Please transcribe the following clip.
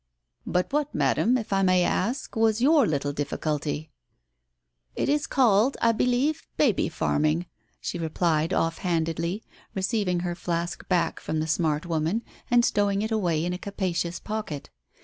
"But what, Madam, if I may ask, was your little difficulty ?" "It is called, I believe, Baby Farming," she replied off handedly, receiving her flask back from the smart woman and stowing it away in a capacious pocket.